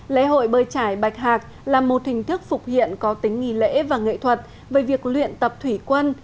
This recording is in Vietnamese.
lễ hội bơi trải bạch hạc là một hình thức phục hiện có tính nghỉ lễ và nghệ thuật về việc luyện tập thủy quân